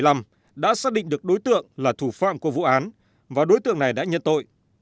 năm một nghìn chín trăm bảy mươi năm đã xác định được đối tượng là thủ phạm của vụ án và đối tượng này đã nhận tội